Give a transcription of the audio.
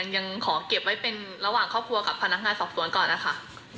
ยังขอเก็บไว้เป็นระหว่างครอบครัวกับพนักงานสอบสวนก่อนนะคะ